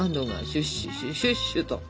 シュッシュシュッシュッシュと。